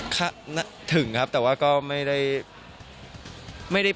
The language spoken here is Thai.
ค่าน่าถึงครับแต่ว่าก็ไม่ได้